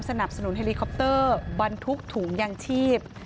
สนับสนุนเฮลิคอปเตอร์บรรทุกถุงยางชีพ